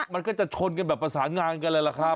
มันก็จะชนกันแบบประสานงานกันเลยล่ะครับ